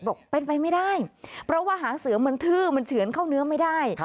บอกเป็นไปไม่ได้เพราะว่าหางเสือมันทื้อมันเฉือนเข้าเนื้อไม่ได้